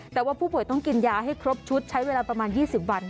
แต่ว่าผู้ป่วยต้องกินยาให้ครบชุดใช้เวลาประมาณ๒๐วัน